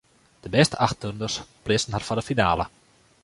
De bêste acht turners pleatsten har foar de finale.